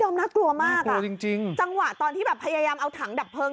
ดอมน่ากลัวมากอ่ะจังหวะตอนที่แบบพยายามเอาถังดับเพลิง